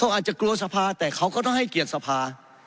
เขาอาจจะกลัวสภาแต่เขาก็ต้องให้เกียรติสภา